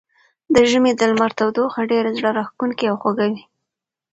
د ژمي د لمر تودوخه ډېره زړه راښکونکې او خوږه وي.